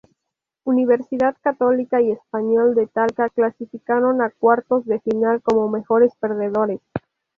Universidad Católica y Español de Talca clasificaron a cuartos de final como mejores perdedores.